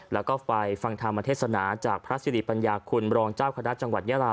แล้วก็ไปฟังธรรมเทศนาจากพระสิริปัญญาคุณรองเจ้าคณะจังหวัดยาลา